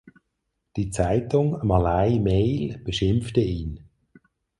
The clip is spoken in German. Die Zeitung "Malay Mail" beschimpfte ihn.